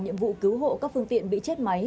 nhiệm vụ cứu hộ các phương tiện bị chết máy